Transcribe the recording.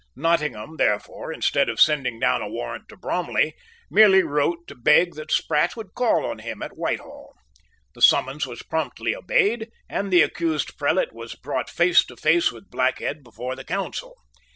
Nottingham, therefore, instead of sending down a warrant to Bromley, merely wrote to beg that Sprat would call on him at Whitehall. The summons was promptly obeyed, and the accused prelate was brought face to face with Blackhead before the Council.